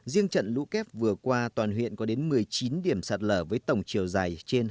riêng trận lũ kép vừa qua toàn huyện có đến một mươi chín điểm sát lở với tổng chiều dài trên hai mươi